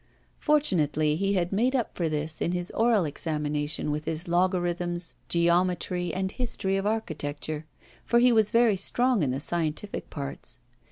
Fortunately, he had made up for this in his oral examination with his logarithms, geometry, and history of architecture, for he was very strong in the scientific parts.